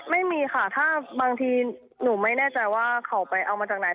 ไม่มีค่ะถ้าบางทีหนูไม่แน่ใจว่าเขาไปเอามาจากไหน